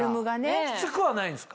キツくはないんですか？